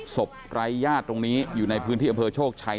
ไร้ญาติตรงนี้อยู่ในพื้นที่อำเภอโชคชัย